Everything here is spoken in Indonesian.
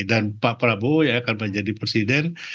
dan pak prabowo yang akan menjadi presiden